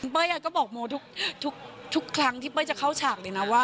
เป้ยก็บอกโมทุกครั้งที่เป้ยจะเข้าฉากเลยนะว่า